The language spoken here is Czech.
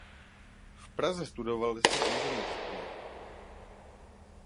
V Praze studoval lesní inženýrství.